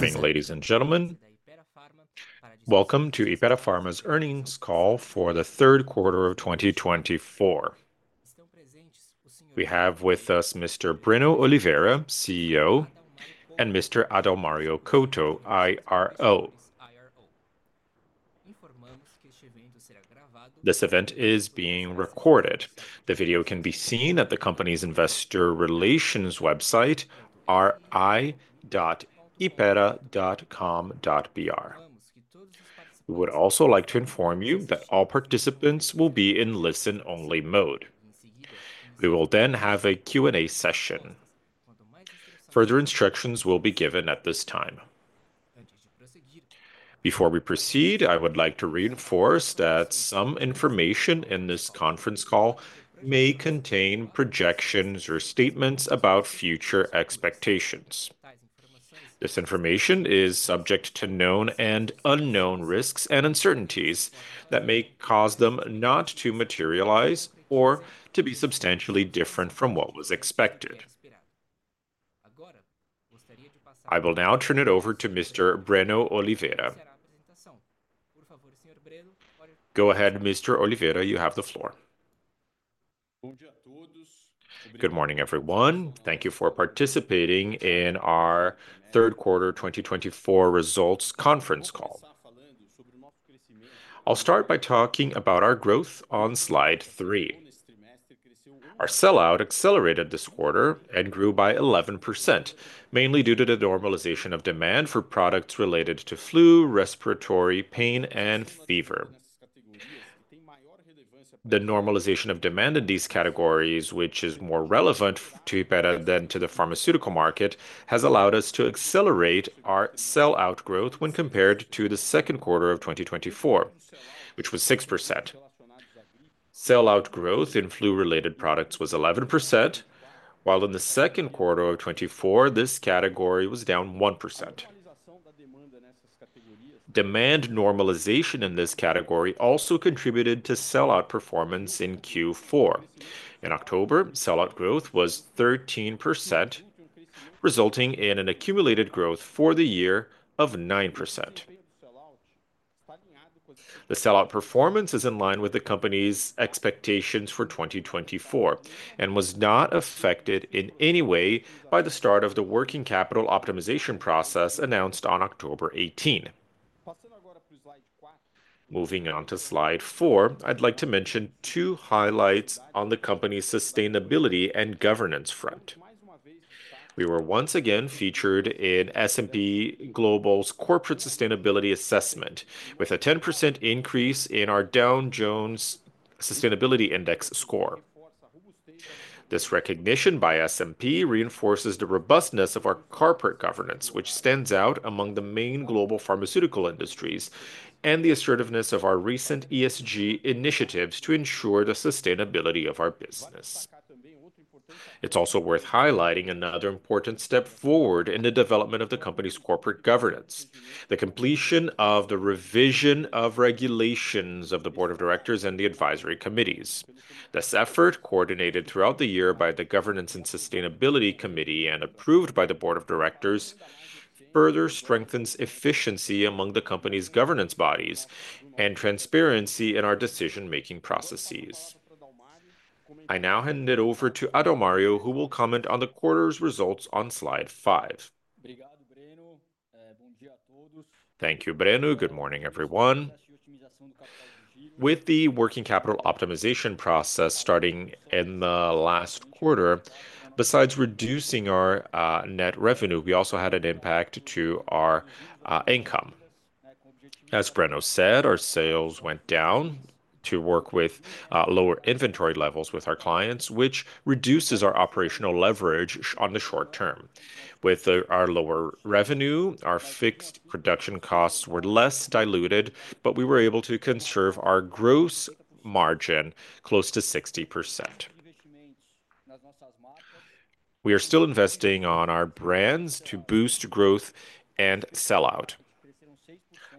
Morning, ladies and gentlemen. Welcome to Hypera Pharma's earnings call for the third quarter of 2024. We have with us Mr. Breno Oliveira, CEO, and Mr. Adalmario Couto, IRO. This event is being recorded. The video can be seen at the company's investor relations website, ri.hypera.com.br. We would also like to inform you that all participants will be in listen-only mode. We will then have a Q&A session. Further instructions will be given at this time. Before we proceed, I would like to reinforce that some information in this conference call may contain projections or statements about future expectations. This information is subject to known and unknown risks and uncertainties that may cause them not to materialize or to be substantially different from what was expected. I will now turn it over to Mr. Breno Oliveira. Go ahead, Mr. Oliveira, you have the floor. Bom dia a todos. Good morning, everyone. Thank you for participating in our third quarter 2024 results conference call. I'll start by talking about our growth on slide three. Our sell-out accelerated this quarter and grew by 11%, mainly due to the normalization of demand for products related to flu, respiratory pain, and fever. The normalization of demand in these categories, which is more relevant to Hypera than to the pharmaceutical market, has allowed us to accelerate our sell-out growth when compared to the second quarter of 2024, which was 6%. Sell-out growth in flu-related products was 11%, while in the second quarter of 2024, this category was down 1%. Demand normalization in this category also contributed to sell-out performance in Q4. In October, sell-out growth was 13%, resulting in an accumulated growth for the year of 9%. The sell-out performance is in line with the company's expectations for 2024 and was not affected in any way by the start of the working capital optimization process announced on October 18. Moving on to slide four, I'd like to mention two highlights on the company's sustainability and governance front. We were once again featured in S&P Global's Corporate Sustainability Assessment with a 10% increase in our Dow Jones Sustainability Index score. This recognition by S&P reinforces the robustness of our corporate governance, which stands out among the main global pharmaceutical industries, and the assertiveness of our recent ESG initiatives to ensure the sustainability of our business. It's also worth highlighting another important step forward in the development of the company's corporate governance: the completion of the revision of regulations of the Board of Directors and the advisory committees. This effort, coordinated throughout the year by the Governance and Sustainability Committee and approved by the Board of Directors, further strengthens efficiency among the company's governance bodies and transparency in our decision-making processes. I now hand it over to Adalmario, who will comment on the quarter's results on slide five. Thank you, Breno. Good morning, everyone. With the working capital optimization process starting in the last quarter, besides reducing our net revenue, we also had an impact on our income. As Breno said, our sales went down to work with lower inventory levels with our clients, which reduces our operational leverage on the short term. With our lower revenue, our fixed production costs were less diluted, but we were able to conserve our gross margin close to 60%. We are still investing in our brands to boost growth and sell-out.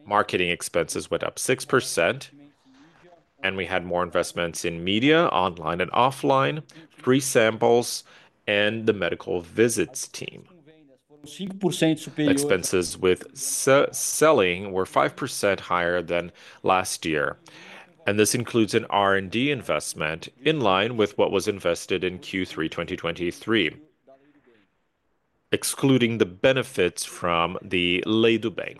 Marketing expenses went up 6%, and we had more investments in media, online and offline, free samples, and the medical visits team. Expenses with selling were 5% higher than last year, and this includes an R&D investment in line with what was invested in Q3 2023, excluding the benefits from the Lei do Bem.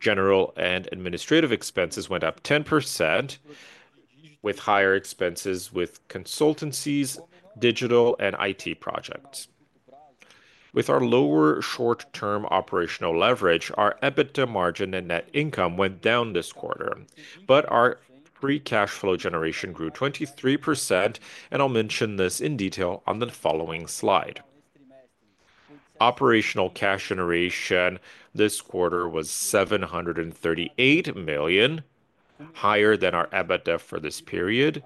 General and administrative expenses went up 10%, with higher expenses with consultancies, digital, and IT projects. With our lower short-term operational leverage, our EBITDA margin and net income went down this quarter, but our free cash flow generation grew 23%, and I'll mention this in detail on the following slide. Operational cash generation this quarter was 738 million, higher than our EBITDA for this period,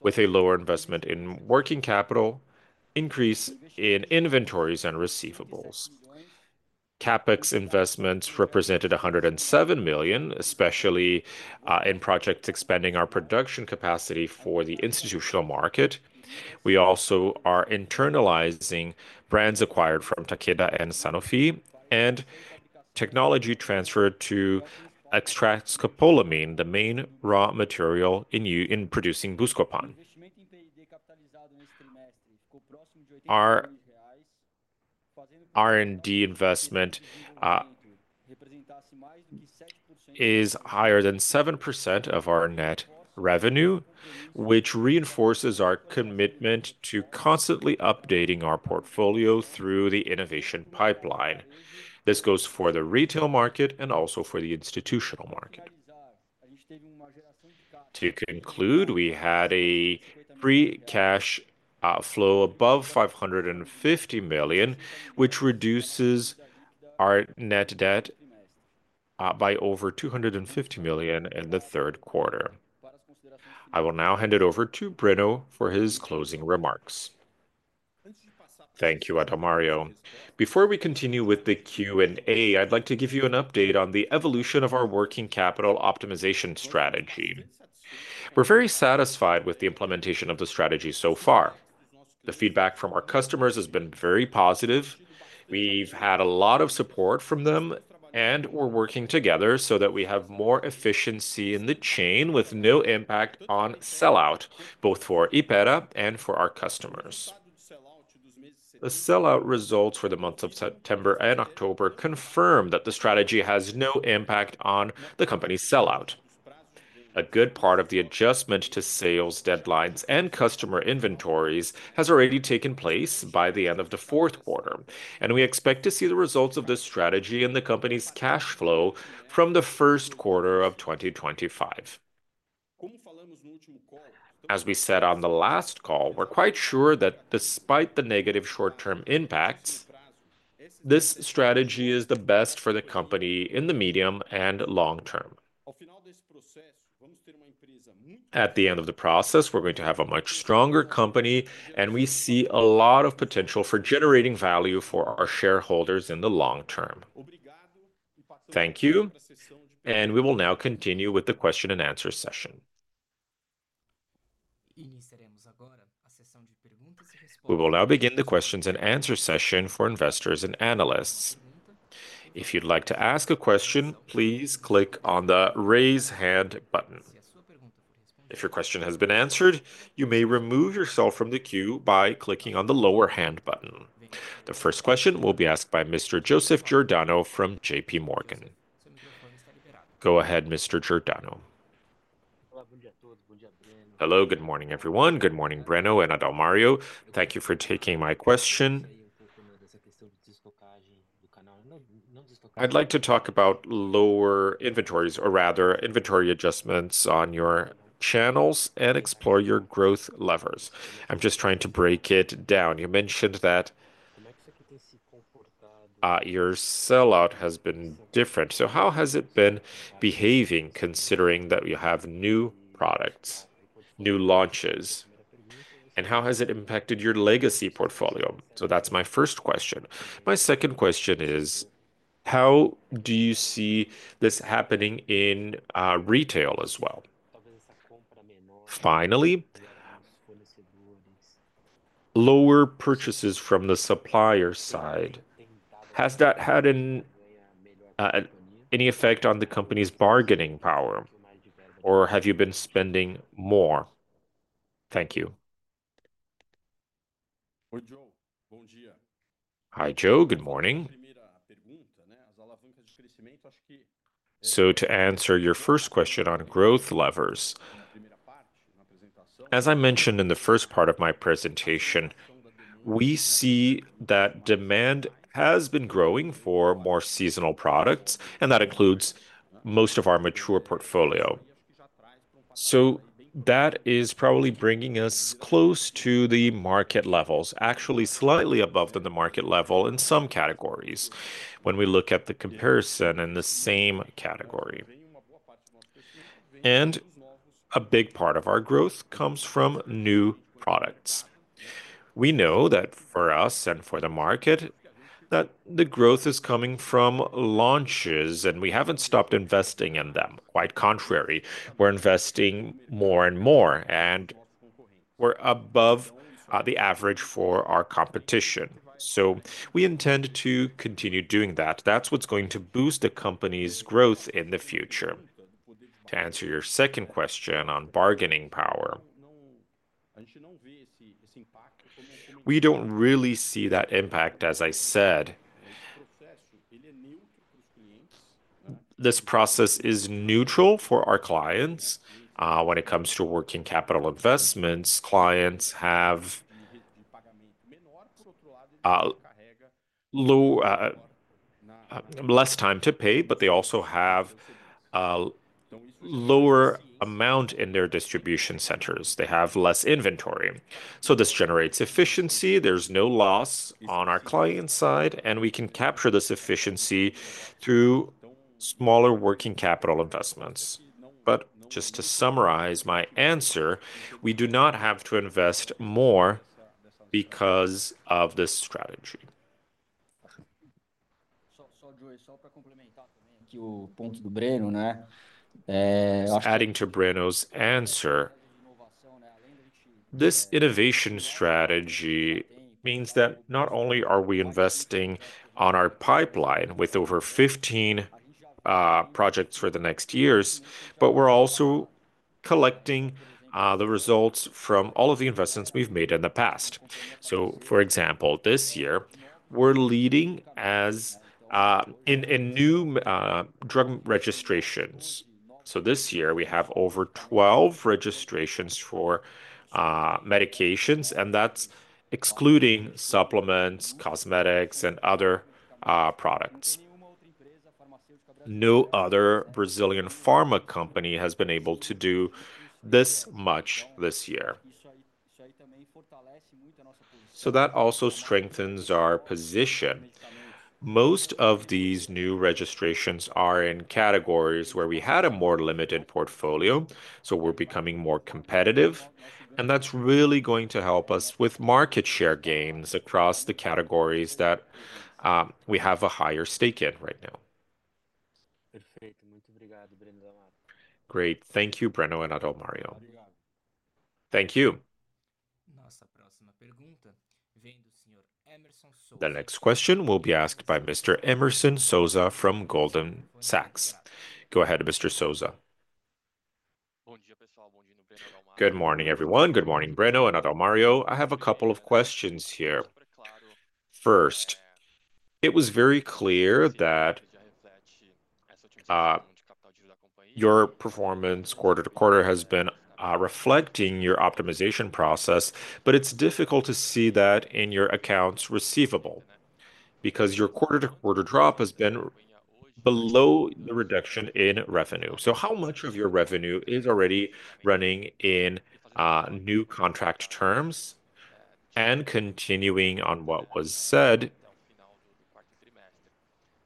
with a lower investment in working capital, increase in inventories, and receivables. CapEx investments represented 107 million, especially in projects expanding our production capacity for the institutional market. We also are internalizing brands acquired from Takeda and Sanofi, and technology transferred to extract scopolamine, the main raw material in producing Buscopan. Our R&D investment is higher than 7% of our net revenue, which reinforces our commitment to constantly updating our portfolio through the innovation pipeline. This goes for the retail market and also for the institutional market. To conclude, we had a free cash flow above 550 million, which reduces our net debt by over 250 million in the third quarter. I will now hand it over to Breno for his closing remarks. Thank you, Adalmario. Before we continue with the Q&A, I'd like to give you an update on the evolution of our working capital optimization strategy. We're very satisfied with the implementation of the strategy so far. The feedback from our customers has been very positive. We've had a lot of support from them, and we're working together so that we have more efficiency in the chain with no impact on sell-out, both for Hypera and for our customers. The sell-out results for the months of September and October confirm that the strategy has no impact on the company's sell-out. A good part of the adjustment to sales deadlines and customer inventories has already taken place by the end of the fourth quarter, and we expect to see the results of this strategy in the company's cash flow from the first quarter of 2025. As we said on the last call, we're quite sure that despite the negative short-term impacts, this strategy is the best for the company in the medium and long term. At the end of the process, we're going to have a much stronger company, and we see a lot of potential for generating value for our shareholders in the long term. Thank you, and we will now continue with the question and answer session. We will now begin the questions and answer session for investors and analysts. If you'd like to ask a question, please click on the raise hand button. If your question has been answered, you may remove yourself from the queue by clicking on the lower hand button. The first question will be asked by Mr. Joseph Giordano from JP Morgan. Go ahead, Mr. Giordano. Hello, good morning everyone. Good morning, Breno and Adalmario. Thank you for taking my question. I'd like to talk about lower inventories, or rather inventory adjustments on your channels, and explore your growth levers. I'm just trying to break it down. You mentioned that your sell-out has been different. So how has it been behaving, considering that you have new products, new launches? And how has it impacted your legacy portfolio? So that's my first question. My second question is, how do you see this happening in retail as well? Finally, lower purchases from the supplier side. Has that had any effect on the company's bargaining power, or have you been spending more? Thank you. Hi, Joe. Good morning. So to answer your first question on growth levers, as I mentioned in the first part of my presentation, we see that demand has been growing for more seasonal products, and that includes most of our mature portfolio. So that is probably bringing us close to the market levels, actually slightly above than the market level in some categories when we look at the comparison in the same category. A big part of our growth comes from new products. We know that for us and for the market, the growth is coming from launches, and we haven't stopped investing in them. Quite contrary, we're investing more and more, and we're above the average for our competition. We intend to continue doing that. That's what's going to boost the company's growth in the future. To answer your second question on bargaining power, we don't really see that impact, as I said. This process is neutral for our clients when it comes to working capital investments. Clients have less time to pay, but they also have a lower amount in their distribution centers. They have less inventory. This generates efficiency. There's no loss on our client side, and we can capture this efficiency through smaller working capital investments. But just to summarize my answer, we do not have to invest more because of this strategy. Adding to Breno's answer, this innovation strategy means that not only are we investing on our pipeline with over 15 projects for the next years, but we're also collecting the results from all of the investments we've made in the past. So for example, this year, we're leading in new drug registrations. So this year, we have over 12 registrations for medications, and that's excluding supplements, cosmetics, and other products. No other Brazilian pharma company has been able to do this much this year. So that also strengthens our position. Most of these new registrations are in categories where we had a more limited portfolio, so we're becoming more competitive, and that's really going to help us with market share gains across the categories that we have a higher stake in right now. Great. Thank you, Breno and Adalmario. Thank you. The next question will be asked by Mr. Emerson Vieira from Goldman Sachs. Go ahead, Mr. Vieira. Good morning, everyone. Good morning, Breno and Adalmario. I have a couple of questions here. First, it was very clear that your performance quarter to quarter has been reflecting your optimization process, but it's difficult to see that in your accounts receivable because your quarter to quarter drop has been below the reduction in revenue. So how much of your revenue is already running in new contract terms? Continuing on what was said,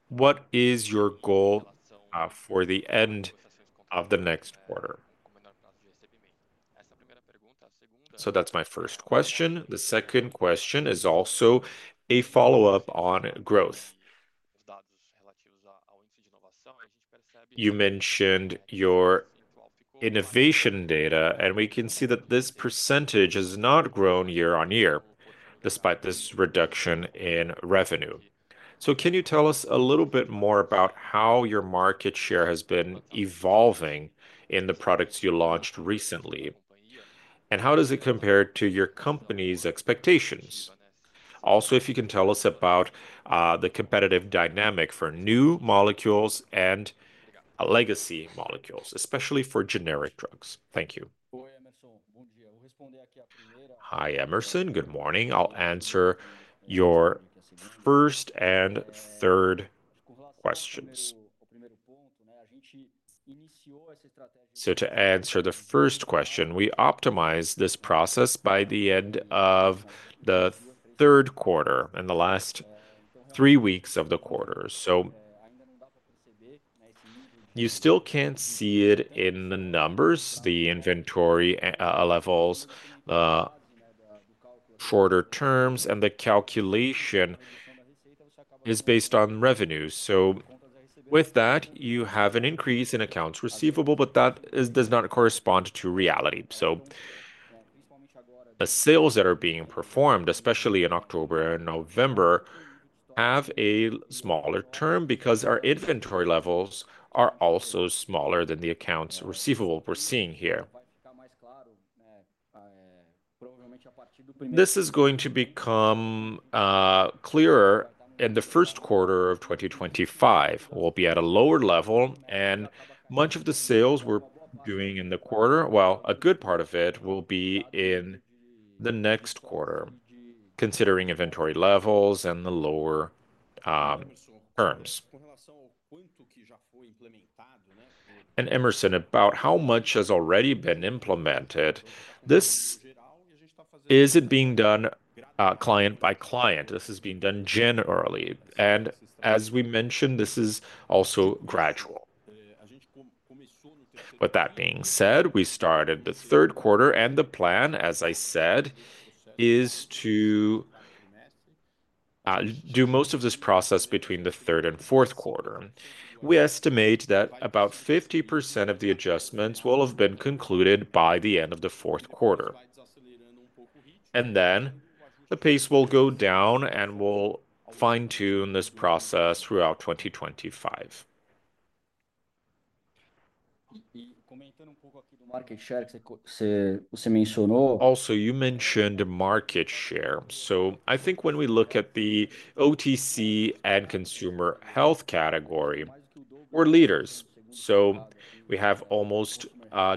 what is your goal for the end of the next quarter? So that's my first question. The second question is also a follow-up on growth. You mentioned your innovation data, and we can see that this percentage has not grown year on year despite this reduction in revenue. So can you tell us a little bit more about how your market share has been evolving in the products you launched recently, and how does it compare to your company's expectations? Also, if you can tell us about the competitive dynamic for new molecules and legacy molecules, especially for generic drugs? Thank you. Hi, Emerson. Good morning. I'll answer your first and third questions. So to answer the first question, we optimized this process by the end of the third quarter and the last three weeks of the quarter. So you still can't see it in the numbers, the inventory levels, the shorter terms, and the calculation is based on revenue. So with that, you have an increase in accounts receivable, but that does not correspond to reality. So the sales that are being performed, especially in October and November, have a smaller term because our inventory levels are also smaller than the accounts receivable we're seeing here. This is going to become clearer in the first quarter of 2025. We'll be at a lower level, and much of the sales we're doing in the quarter, well, a good part of it will be in the next quarter, considering inventory levels and the lower terms. And Emerson, about how much has already been implemented, is it being done client by client? This is being done generally. And as we mentioned, this is also gradual. With that being said, we started the third quarter, and the plan, as I said, is to do most of this process between the third and fourth quarter. We estimate that about 50% of the adjustments will have been concluded by the end of the fourth quarter. And then the pace will go down, and we'll fine-tune this process throughout 2025. Also, you mentioned market share. So I think when we look at the OTC and consumer health category, we're leaders. So we have almost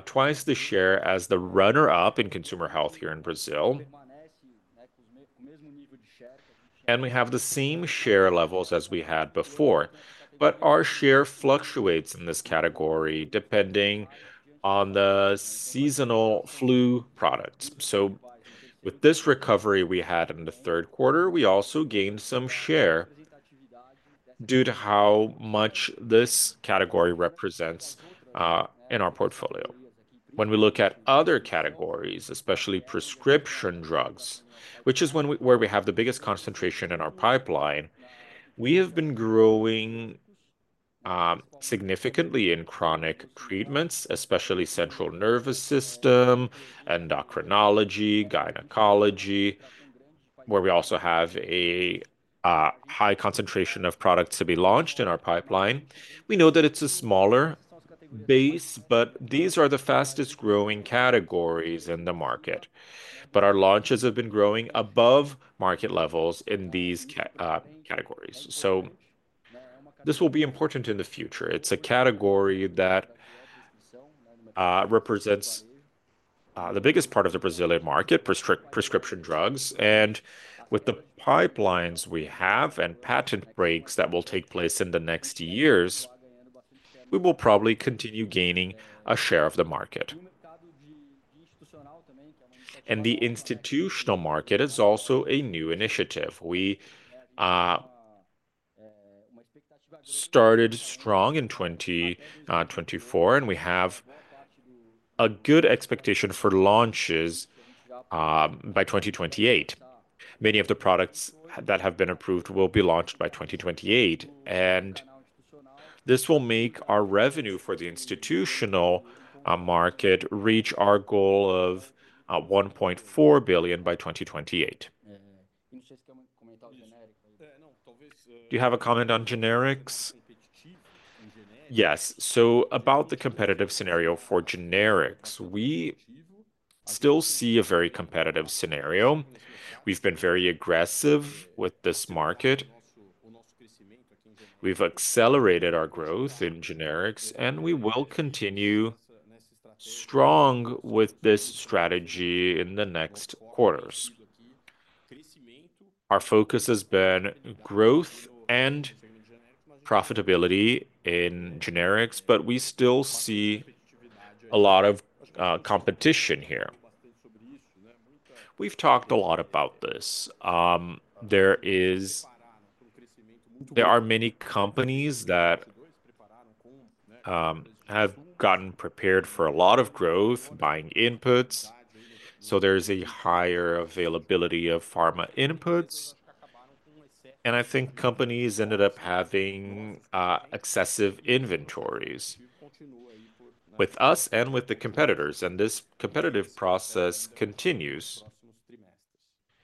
twice the share as the runner-up in consumer health here in Brazil, and we have the same share levels as we had before. But our share fluctuates in this category depending on the seasonal flu products. So with this recovery we had in the third quarter, we also gained some share due to how much this category represents in our portfolio. When we look at other categories, especially prescription drugs, which is where we have the biggest concentration in our pipeline, we have been growing significantly in chronic treatments, especially central nervous system, endocrinology, gynecology, where we also have a high concentration of products to be launched in our pipeline. We know that it's a smaller base, but these are the fastest-growing categories in the market. But our launches have been growing above market levels in these categories. So this will be important in the future. It's a category that represents the biggest part of the Brazilian market for prescription drugs. And with the pipelines we have and patent breaks that will take place in the next years, we will probably continue gaining a share of the market. And the institutional market is also a new initiative. We started strong in 2024, and we have a good expectation for launches by 2028. Many of the products that have been approved will be launched by 2028, and this will make our revenue for the institutional market reach our goal of 1.4 billion by 2028. Do you have a comment on generics? Yes, so about the competitive scenario for generics, we still see a very competitive scenario. We've been very aggressive with this market. We've accelerated our growth in generics, and we will continue strong with this strategy in the next quarters. Our focus has been growth and profitability in generics, but we still see a lot of competition here. We've talked a lot about this. There are many companies that have gotten prepared for a lot of growth, buying inputs, so there's a higher availability of pharma inputs. I think companies ended up having excessive inventories with us and with the competitors. This competitive process continues.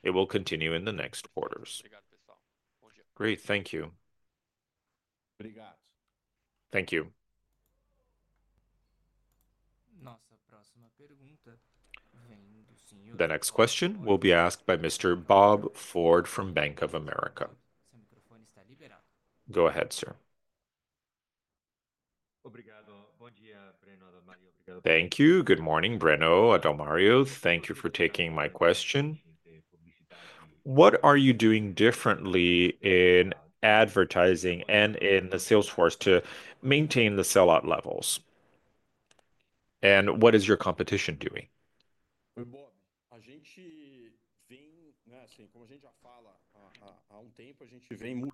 It will continue in the next quarters. Great. Thank you. Thank you. The next question will be asked by Mr. Bob Ford from Bank of America. Go ahead, sir. Thank you. Good morning, Breno, Adalmario. Thank you for taking my question. What are you doing differently in advertising and in the sales force to maintain the sell-out levels? And what is your competition doing?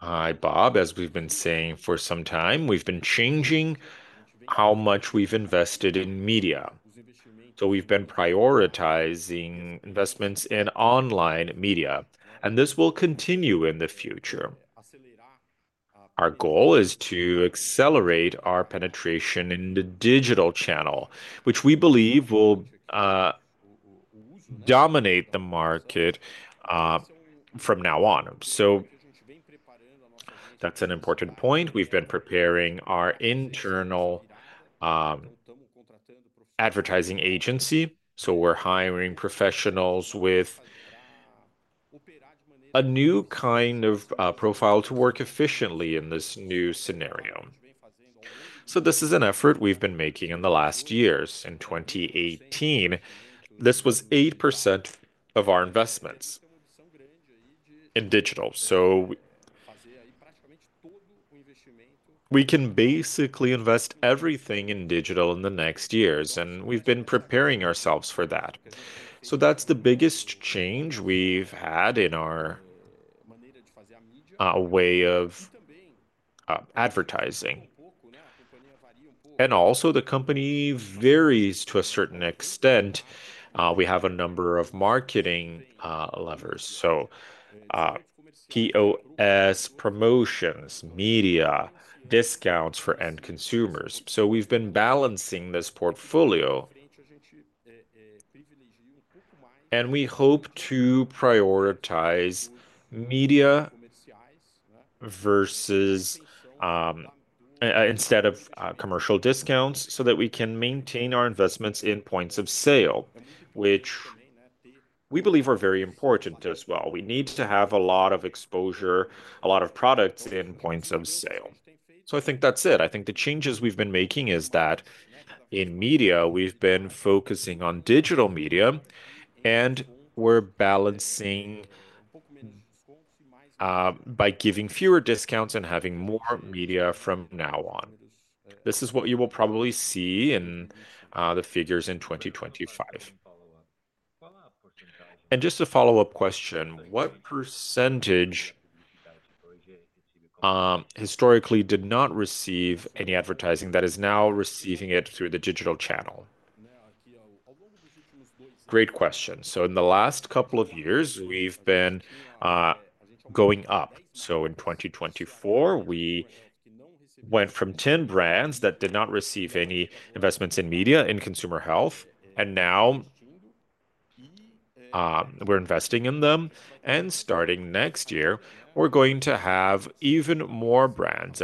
Hi, Bob, as we've been saying, as we've been saying for some time, we've been changing how much we've invested in media. We've been prioritizing investments in online media, and this will continue in the future. Our goal is to accelerate our penetration in the digital channel, which we believe will dominate the market from now on. That's an important point. We've been preparing our internal advertising agency, so we're hiring professionals with a new kind of profile to work efficiently in this new scenario, so this is an effort we've been making in the last years. In 2018, this was 8% of our investments in digital, so we can basically invest everything in digital in the next years, and we've been preparing ourselves for that, so that's the biggest change we've had in our way of advertising, and also, the company varies to a certain extent. We have a number of marketing levers, so POS promotions, media, discounts for end consumers, so we've been balancing this portfolio, and we hope to prioritize media instead of commercial discounts so that we can maintain our investments in points of sale, which we believe are very important as well. We need to have a lot of exposure, a lot of products in points of sale, so I think that's it. I think the changes we've been making is that in media, we've been focusing on digital media, and we're balancing by giving fewer discounts and having more media from now on. This is what you will probably see in the figures in 2025, and just a follow-up question: what percentage historically did not receive any advertising that is now receiving it through the digital channel? Great question, so in the last couple of years, we've been going up. So in 2024, we went from 10 brands that did not receive any investments in media in consumer health, and now we're investing in them, and starting next year, we're going to have even more brands,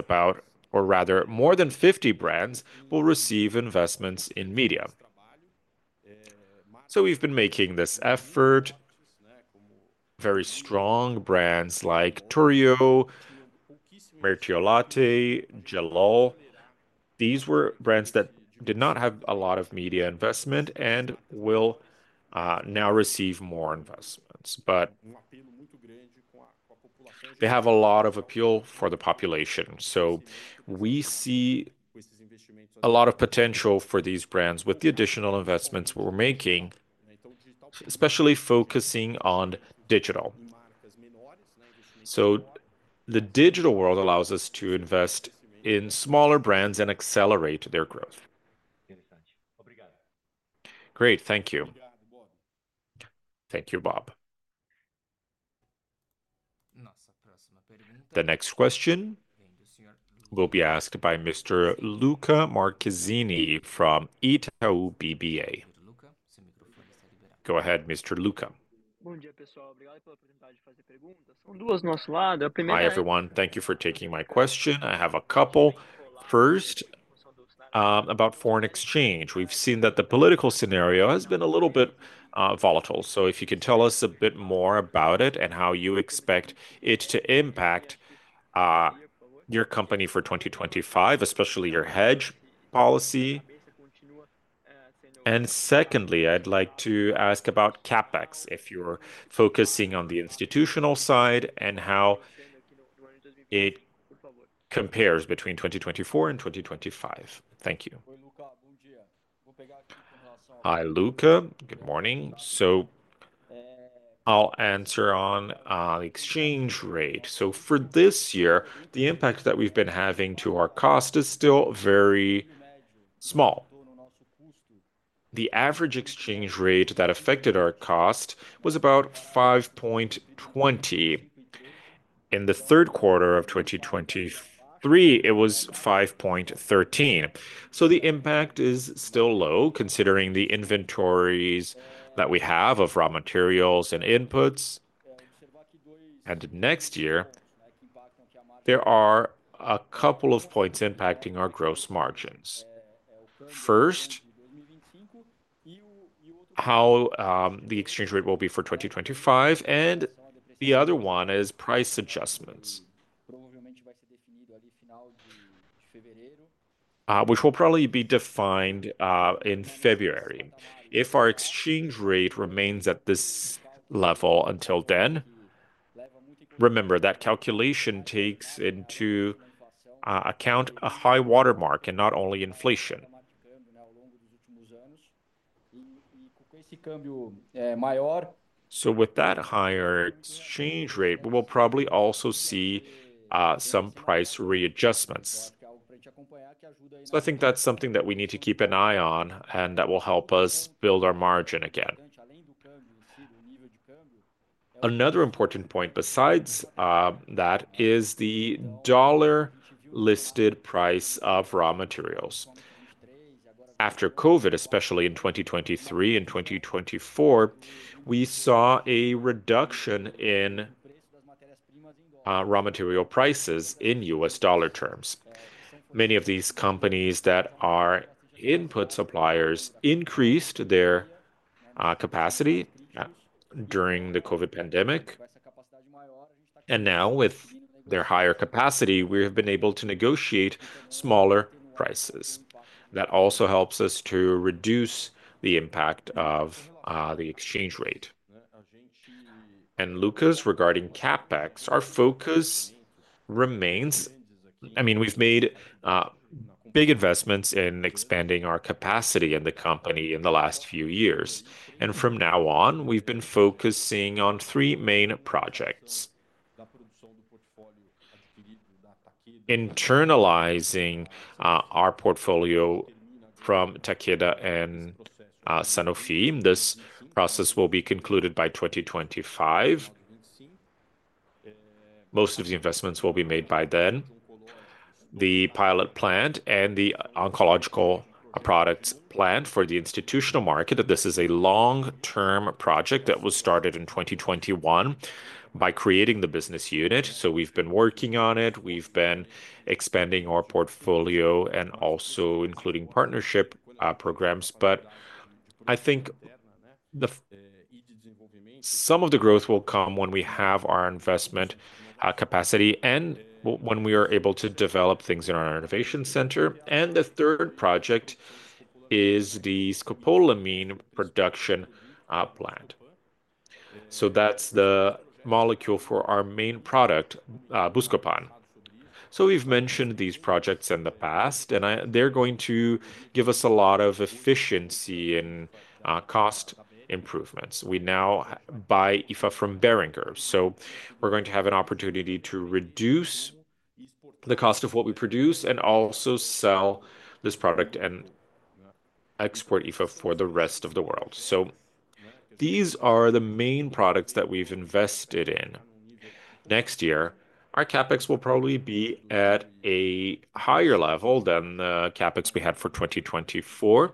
or rather, more than 50 brands will receive investments in media. So we've been making this effort. Very strong brands like Torante, Merthiolate, Gelol, these were brands that did not have a lot of media investment and will now receive more investments. But they have a lot of appeal for the population. So we see a lot of potential for these brands with the additional investments we're making, especially focusing on digital. So the digital world allows us to invest in smaller brands and accelerate their growth. Great. Thank you. Thank you, Bob. The next question will be asked by Mr. Lucca Marquezini from Itaú BBA. Go ahead, Mr. Lucca. Bom dia, pessoal. Obrigado pela oportunidade de fazer perguntas. Hi, everyone. Thank you for taking my question. I have a couple. First, about foreign exchange. We've seen that the political scenario has been a little bit volatile. So if you can tell us a bit more about it and how you expect it to impact your company for 2025, especially your hedge policy. And secondly, I'd like to ask about CapEx, if you're focusing on the institutional side and how it compares between 2024 and 2025. Thank you. Hi, Lucca. Good morning. So I'll answer on the exchange rate. So for this year, the impact that we've been having to our cost is still very small. The average exchange rate that affected our cost was about 5.20. In the third quarter of 2023, it was 5.13. So the impact is still low, considering the inventories that we have of raw materials and inputs. And next year, there are a couple of points impacting our gross margins. First, how the exchange rate will be for 2025, and the other one is price adjustments, which will probably be defined in February. If our exchange rate remains at this level until then, remember that calculation takes into account a high-water mark and not only inflation, so with that higher exchange rate, we will probably also see some price readjustments, so I think that's something that we need to keep an eye on and that will help us build our margin again. Another important point besides that is the dollar-listed price of raw materials. After COVID, especially in 2023 and 2024, we saw a reduction in raw material prices in U.S. dollar terms. Many of these companies that are input suppliers increased their capacity during the COVID pandemic, and now, with their higher capacity, we have been able to negotiate smaller prices. That also helps us to reduce the impact of the exchange rate. And, Lucas, regarding CapEx, our focus remains. I mean, we've made big investments in expanding our capacity in the company in the last few years. And from now on, we've been focusing on three main projects: internalizing our portfolio from Takeda and Sanofi. This process will be concluded by 2025. Most of the investments will be made by then. The pilot plant and the oncological products plant for the institutional market. This is a long-term project that was started in 2021 by creating the business unit. So we've been working on it. We've been expanding our portfolio and also including partnership programs. But I think some of the growth will come when we have our investment capacity and when we are able to develop things in our innovation center. And the third project is the scopolamine production plant. So that's the molecule for our main product, Buscopan. So we've mentioned these projects in the past, and they're going to give us a lot of efficiency and cost improvements. We now buy IFA from Boehringer. So we're going to have an opportunity to reduce the cost of what we produce and also sell this product and export IFA for the rest of the world. So these are the main products that we've invested in. Next year, our CapEx will probably be at a higher level than the CapEx we had for 2024,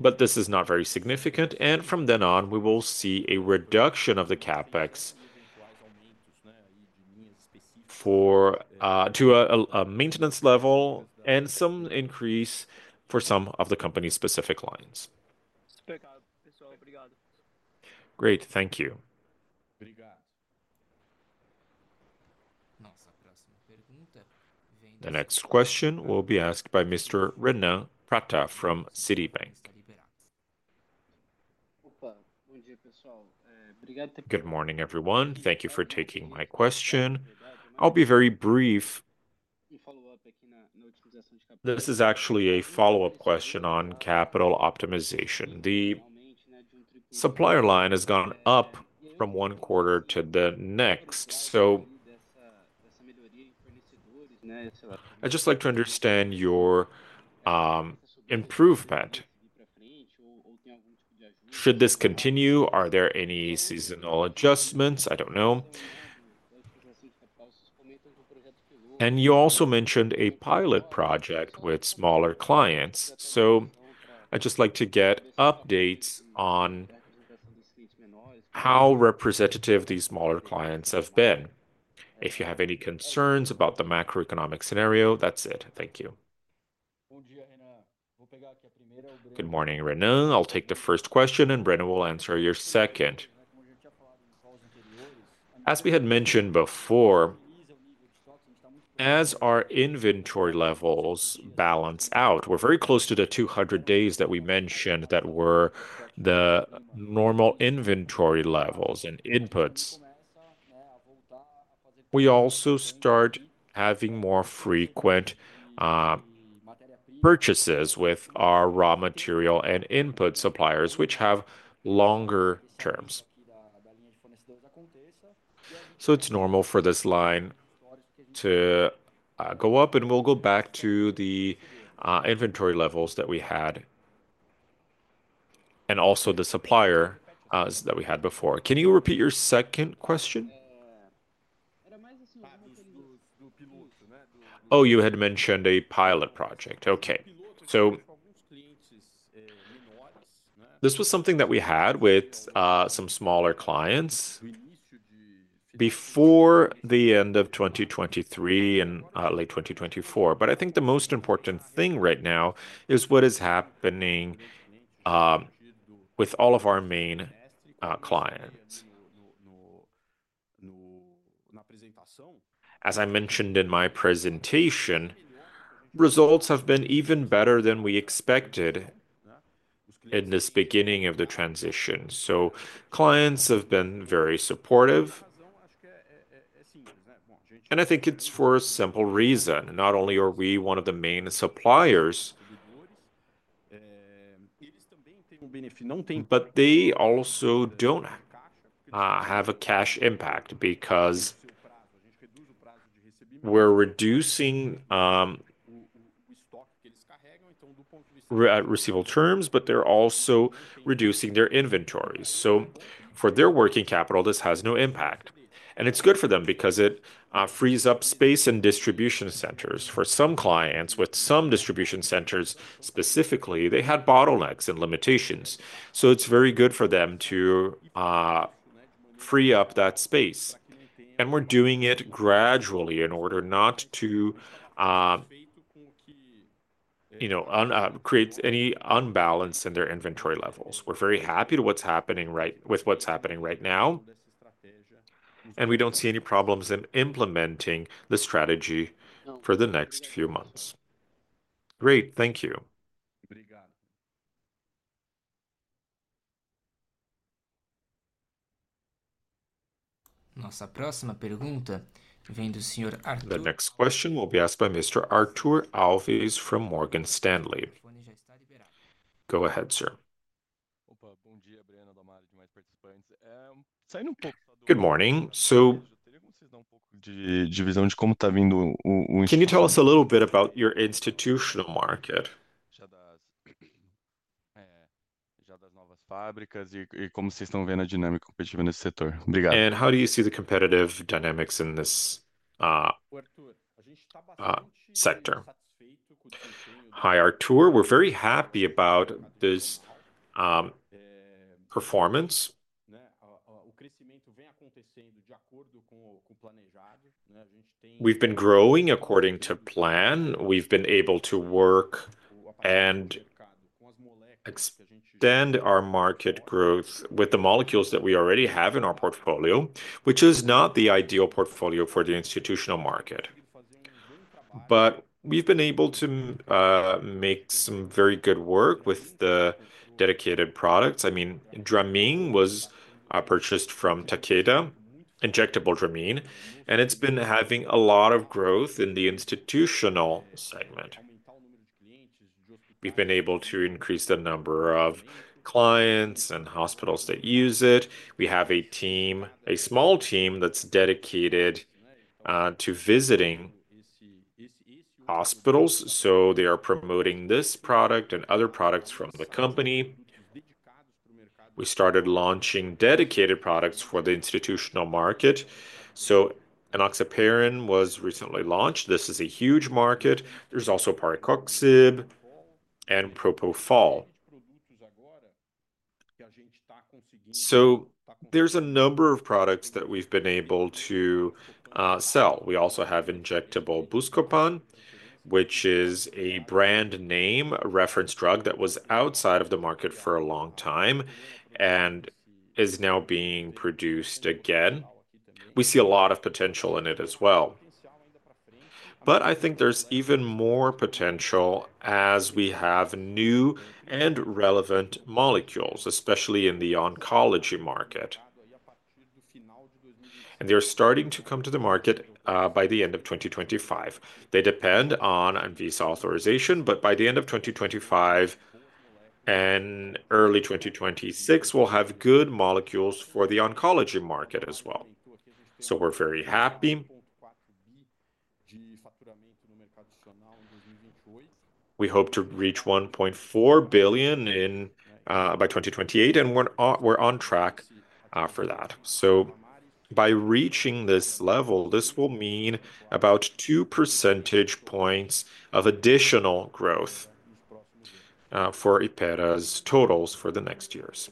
but this is not very significant. And from then on, we will see a reduction of the CapEx to a maintenance level and some increase for some of the company-specific lines. Great. Thank you. The next question will be asked by Mr. Renan Prata from Citibank. Good morning, everyone. Thank you for taking my question. I'll be very brief. This is actually a follow-up question on capital optimization. The supplier line has gone up from one quarter to the next. So I'd just like to understand your improvement. Should this continue? Are there any seasonal adjustments? I don't know. And you also mentioned a pilot project with smaller clients. So I'd just like to get updates on how representative these smaller clients have been. If you have any concerns about the macroeconomic scenario, that's it. Thank you. Good morning, Renan. I'll take the first question, and Renan will answer your second. As we had mentioned before, as our inventory levels balance out, we're very close to the 200 days that we mentioned that were the normal inventory levels and inputs. We also start having more frequent purchases with our raw material and input suppliers, which have longer terms. So it's normal for this line to go up, and we'll go back to the inventory levels that we had and also the supplier that we had before. Can you repeat your second question? Oh, you had mentioned a pilot project. Okay. So this was something that we had with some smaller clients before the end of 2023 and late 2024. But I think the most important thing right now is what is happening with all of our main clients. As I mentioned in my presentation, results have been even better than we expected in this beginning of the transition. So clients have been very supportive. And I think it's for a simple reason. Not only are we one of the main suppliers, but they also don't have a cash impact because we're reducing receivable terms, but they're also reducing their inventories. So for their working capital, this has no impact. And it's good for them because it frees up space in distribution centers. For some clients, with some distribution centers specifically, they had bottlenecks and limitations. So it's very good for them to free up that space. And we're doing it gradually in order not to create any unbalance in their inventory levels. We're very happy with what's happening right now, and we don't see any problems in implementing the strategy for the next few months. Great. Thank you. Nossa próxima pergunta vem do senhor Arthur. The next question will be asked by Mr. Arthur Alves from Morgan Stanley. Go ahead, sir. Bom dia, Adalmario, demais participantes. Saindo pouco só do... Good morning. So can you tell us a little bit about your institutional market? And how do you see the competitive dynamics in this sector? Hi, Arthur. We're very happy about this performance. We've been growing according to plan. We've been able to work and extend our market growth with the molecules that we already have in our portfolio, which is not the ideal portfolio for the institutional market. But we've been able to make some very good work with the dedicated products. I mean, Dramin was purchased from Takeda, injectable Dramin, and it's been having a lot of growth in the institutional segment. We've been able to increase the number of clients and hospitals that use it. We have a small team that's dedicated to visiting hospitals. So they are promoting this product and other products from the company. We started launching dedicated products for the institutional market. So enoxaparin was recently launched. This is a huge market. There's also parecoxib and propofol. So there's a number of products that we've been able to sell. We also have injectable Buscopan, which is a brand name reference drug that was outside of the market for a long time and is now being produced again. We see a lot of potential in it as well. But I think there's even more potential as we have new and relevant molecules, especially in the oncology market, and they're starting to come to the market by the end of 2025. They depend on ANVISA authorization, but by the end of 2025 and early 2026, we'll have good molecules for the oncology market as well, so we're very happy. We hope to reach 1.4 billion by 2028, and we're on track for that, so by reaching this level, this will mean about 2 percentage points of additional growth for Hypera's totals for the next years.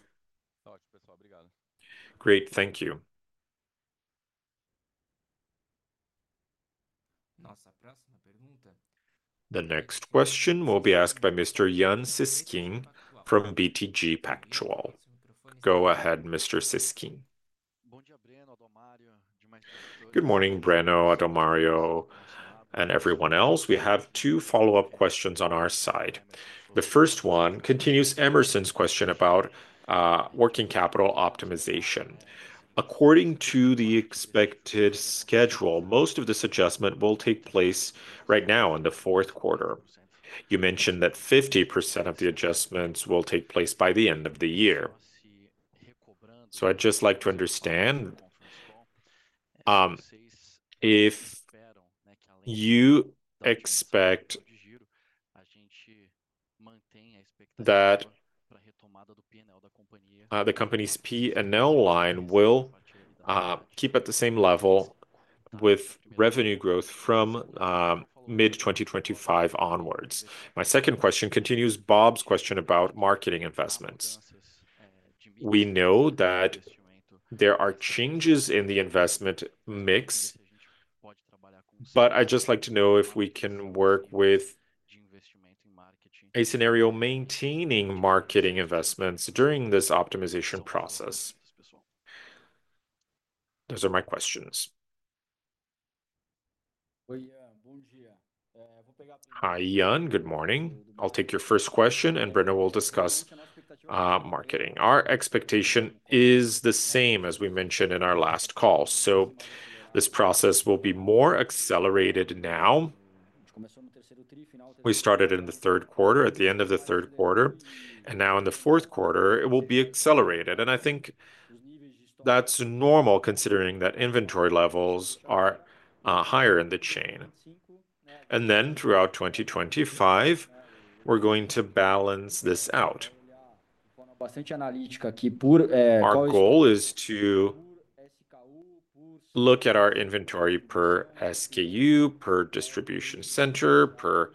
Great. Thank you. The next question will be asked by Mr. Yan Cesquim from BTG Pactual. Go ahead, Mr. Cesquim. Good morning, Breno, Adalmario and everyone else. We have two follow-up questions on our side. The first one continues Emerson's question about working capital optimization. According to the expected schedule, most of this adjustment will take place right now in the fourth quarter. You mentioned that 50% of the adjustments will take place by the end of the year. So I'd just like to understand if you expect that the company's P&L line will keep at the same level with revenue growth from mid-2025 onwards. My second question continues Bob's question about marketing investments. We know that there are changes in the investment mix, but I'd just like to know if we can work with a scenario maintaining marketing investments during this optimization process. Those are my questions. Hi, Yan. Good morning. I'll take your first question, and Breno will discuss marketing. Our expectation is the same as we mentioned in our last call, so this process will be more accelerated now. We started in the third quarter, at the end of the third quarter, and now in the fourth quarter, it will be accelerated, and I think that's normal considering that inventory levels are higher in the chain, and then throughout 2025, we're going to balance this out. Our goal is to look at our inventory per SKU, per distribution center, per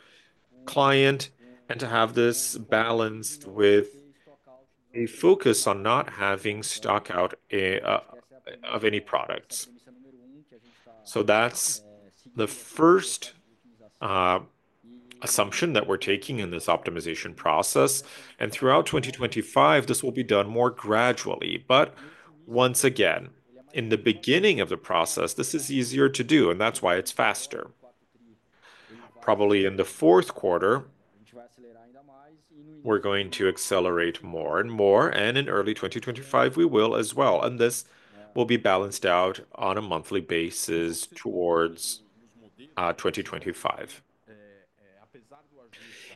client, and to have this balanced with a focus on not having stock out of any products, so that's the first assumption that we're taking in this optimization process, and throughout 2025, this will be done more gradually, but once again, in the beginning of the process, this is easier to do, and that's why it's faster. Probably in the fourth quarter, we're going to accelerate more and more, and in early 2025, we will as well, and this will be balanced out on a monthly basis towards 2025.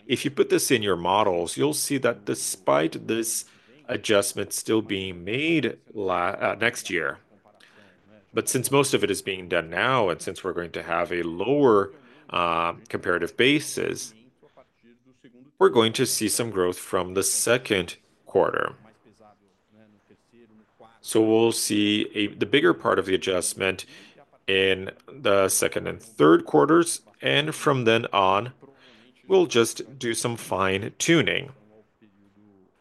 If you put this in your models, you'll see that despite this adjustment still being made next year, but since most of it is being done now and since we're going to have a lower comparative basis, we're going to see some growth from the second quarter, so we'll see the bigger part of the adjustment in the second and third quarters, and from then on, we'll just do some fine tuning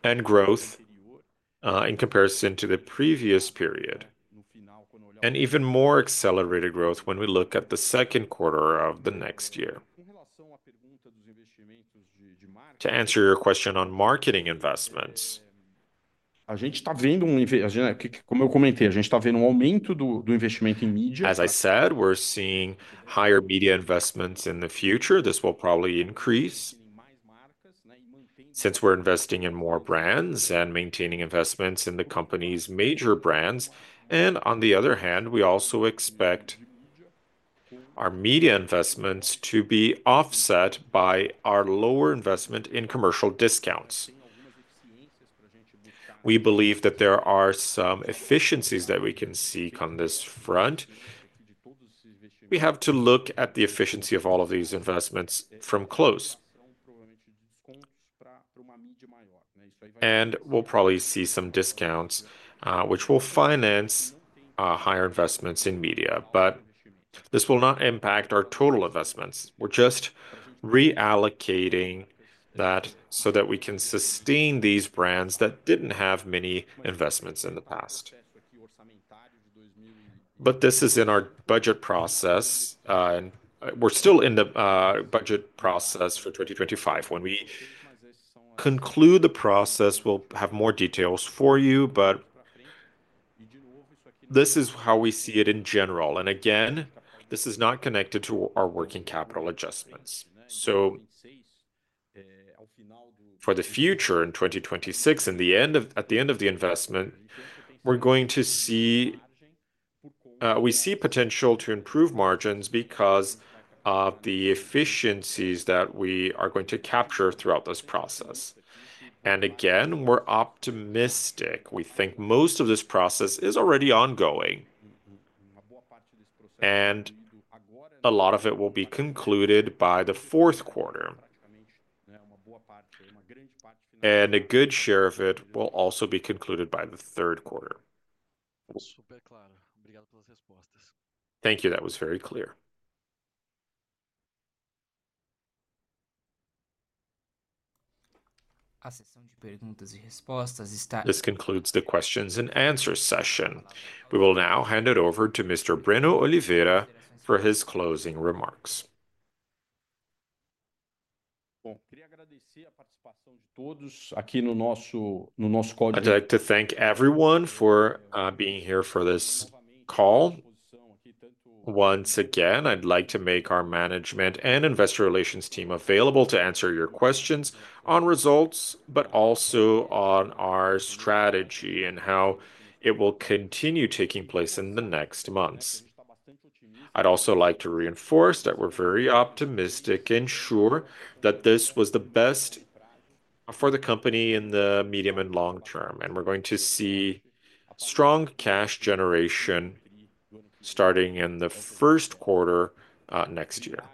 and growth in comparison to the previous period, and even more accelerated growth when we look at the second quarter of the next year. To answer your question on marketing investments, as I said, we're seeing higher media investments in the future. This will probably increase since we're investing in more brands and maintaining investments in the company's major brands, and on the other hand, we also expect our media investments to be offset by our lower investment in commercial discounts. We believe that there are some efficiencies that we can seek on this front. We have to look at the efficiency of all of these investments up close, and we'll probably see some discounts, which will finance higher investments in media, but this will not impact our total investments. We're just reallocating that so that we can sustain these brands that didn't have many investments in the past, but this is in our budget process. We're still in the budget process for 2025. When we conclude the process, we'll have more details for you, but this is how we see it in general. Again, this is not connected to our working capital adjustments. For the future in 2026, at the end of the investment, we're going to see potential to improve margins because of the efficiencies that we are going to capture throughout this process. Again, we're optimistic. We think most of this process is already ongoing, and a lot of it will be concluded by the fourth quarter. A good share of it will also be concluded by the third quarter. Thank you. That was very clear. This concludes the questions and answers session. We will now hand it over to Mr. Breno Oliveira for his closing remarks. I'd like to thank everyone for being here for this call. Once again, I'd like to make our management and investor relations team available to answer your questions on results, but also on our strategy and how it will continue taking place in the next months. I'd also like to reinforce that we're very optimistic and sure that this was the best for the company in the medium and long term, and we're going to see strong cash generation starting in the first quarter next year.